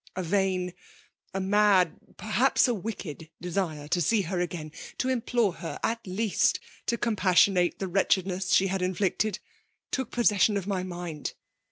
A vain, a mad, perhaps a wicked desire, to see her again, to implore her at least to compassionate the wretchedness she had inflicted, took possession of my mind.